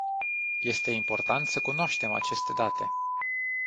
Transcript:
Este important să cunoaștem aceste date.